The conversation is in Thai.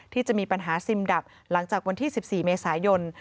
ที่จะมีปัญหาซิมดับหลังจากวันที่๑๔เมษายน